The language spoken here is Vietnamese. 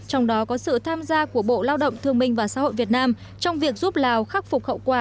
trong đó có sự tham gia của bộ lao động thương minh và xã hội việt nam trong việc giúp lào khắc phục hậu quả